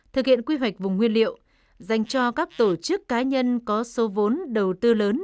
thực hiện quy hoạch vùng nguyên liệu dành cho các tổ chức cá nhân có số vốn đầu tư lớn